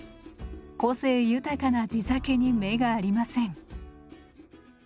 個性豊かな地酒に目がありません。